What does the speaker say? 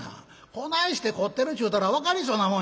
こないして凝ってるちゅうたら分かりそうなもんや。